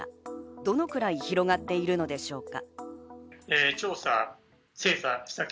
どのくらい広がっているのでしょうか。